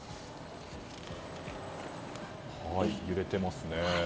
揺れていますね。